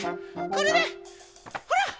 これでほら！